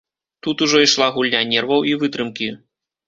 Тут ужо ішла гульня нерваў і вытрымкі.